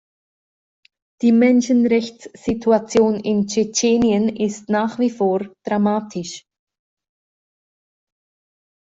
Die Menschenrechtssituation in Tschetschenien ist nach wie vor dramatisch.